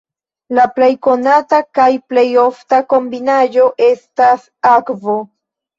La plej konata kaj plej ofta kombinaĵo estas akvo.